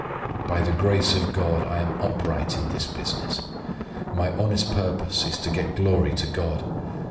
By the grace of God I am upright in this business. My honest purpose is to get glory to God.